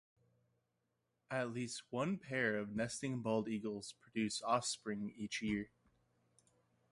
At least one pair of nesting bald eagles produce offspring each year.